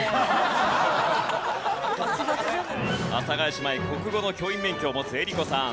阿佐ヶ谷姉妹国語の教員免許を持つ江里子さん。